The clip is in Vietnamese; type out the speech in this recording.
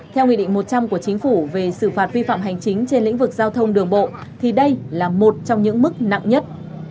theo nghị định một trăm linh của chính phủ về xử phạt vi phạm hành chính trên lĩnh vực giao thông đường bộ thì đây là một trong những mức nặng nhất